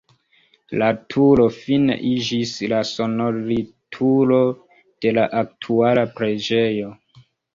La turo fine iĝis la sonorilturo de la aktuala preĝejo.